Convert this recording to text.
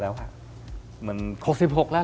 ๖๖แล้วหรือครับ